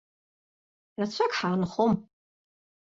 Рацәак ҳаанхом.